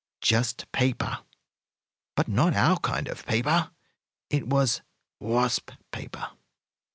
Just paper. But not our kind of paper; it was wasp paper.